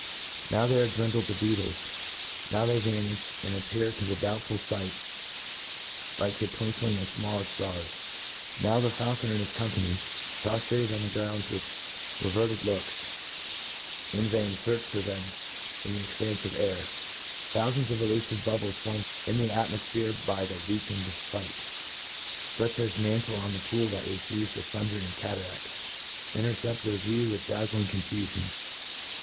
* tiow they are dwindled to beetles l^^^^now^i tht?y tanifli, and appear to the doubtful fight like thd twinkling of the fmallcr ftars !— now the fauJeo* net and his company, proftrated on* the groupdi with r«;vcrted looks, in vain fearch for them in the expanfc of air!— ^Thpufands of elufive bubble* formed in the atmofphere by the weakened fight* fiich as mantle on the pool that receives the dumdering cataraft, intercept their view with dtoriing confufion.